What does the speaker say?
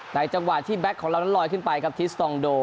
จังหวะที่แก๊กของเรานั้นลอยขึ้นไปครับทิสตองโด